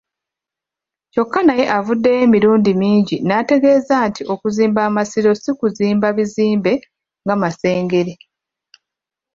Kyokka naye avuddeyo emirundi mingi n'ategeeza nti okuzimba Amasiro si kuzimba bizimbe nga Masengere.